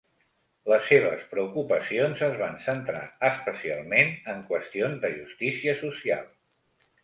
Les seves preocupacions es van centrar especialment en qüestions de justícia social.